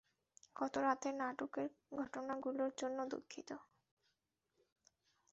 গত রাতের নাটুকে ঘটনাগুলোর জন্য দুঃখিত।